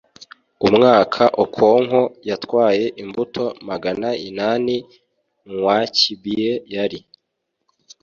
umwaka okonkwo yatwaye imbuto magana inani-nwakibie yari